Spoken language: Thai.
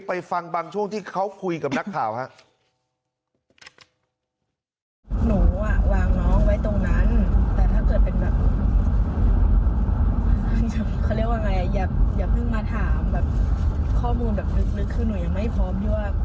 ฟังบางช่วงที่เขาคุยกับนักข่าวครับ